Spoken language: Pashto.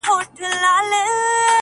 تر ښایست دي پر آواز باندي مین یم-